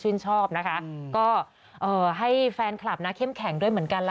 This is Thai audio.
อธวิตถ่ายภาพกิตภัษยุระมล